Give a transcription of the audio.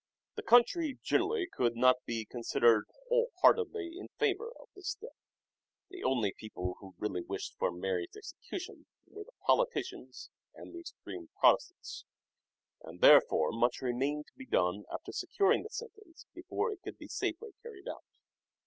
The country generally could not be con sidered wholeheartedly in favour of this step. The only people who really wished for Mary's execution were the politicians and the extreme Protestants ; 352 "SHAKESPEARE" IDENTIFIED and therefore much remained to be done after securing the sentence before it could safely be carried out.